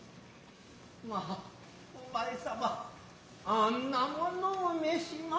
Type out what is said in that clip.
まあ御前様あんなものを召しまして。